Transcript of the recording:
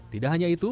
tidak hanya itu